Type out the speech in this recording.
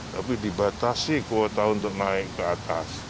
tapi dibatasi kuota untuk naik ke atas